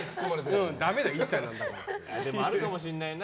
でも、あるかもしれないな。